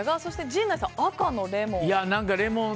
陣内さんは赤のレモン。